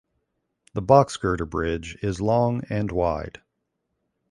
The box girder bridge is long and wide.